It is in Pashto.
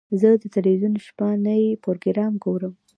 زه د تلویزیون شپهني پروګرام ګورم.